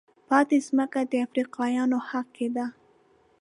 پاتې ځمکه د افریقایانو حق کېده.